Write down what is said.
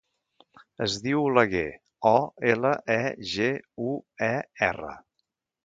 Es diu Oleguer: o, ela, e, ge, u, e, erra.